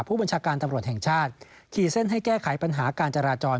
ผู้บัญชาการตำรวจแห่งชาติขี่เส้นให้แก้ไขปัญหาการจราจร